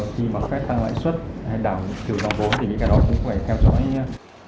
khi mà phát tăng lãi xuất hay đảo chiều dòng vốn thì cái đó cũng phải theo dõi nhé